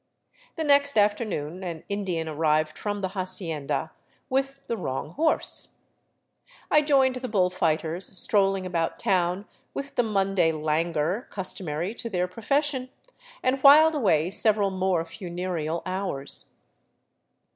The next after noon an Indian arrived from the hacienda — with the wrong horse. I joined the bull fighters, strolling about town with the Monday lan guor customary to their profession, and whiled away several more funereal hours.